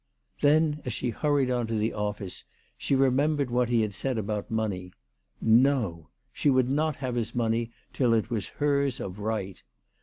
Then, as she hurried on to the office, she remembered what he had said about money. No ! She would not have his money till it was hers of right.